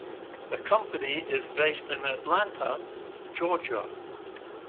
The company is based in Atlanta, Georgia.